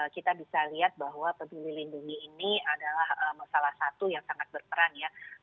kita bisa lihat bahwa peduli lindungi ini adalah salah satu yang sangat berperan ya